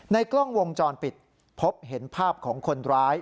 กล้องวงจรปิดพบเห็นภาพของคนร้าย